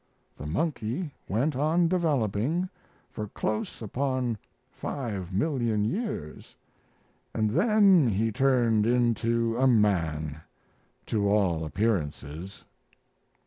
The monkey went on developing for close upon five million years, and then he turned into a man to all appearances.